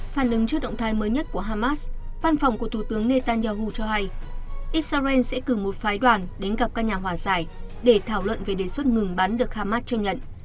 phản ứng trước động thái mới nhất của hamas văn phòng của thủ tướng netanyahu cho hay israel sẽ cử một phái đoàn đến gặp các nhà hòa giải để thảo luận về đề xuất ngừng bắn được hamas chấp nhận